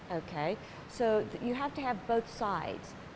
jadi kamu harus memiliki kedua sisi